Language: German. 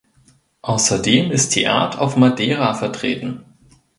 Außerdem ist die Art auf Madeira vertreten.